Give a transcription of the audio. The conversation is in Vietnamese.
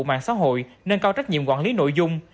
mạng xã hội nâng cao trách nhiệm quản lý nội dung